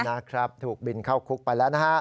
นะครับถูกบินเข้าคุกไปแล้วนะฮะ